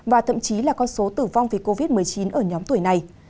và thậm chí là con số tử vong vì covid một mươi chín ở nhóm tuổi này